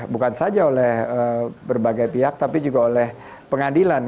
bukan saja oleh berbagai pihak tapi juga oleh pengadilan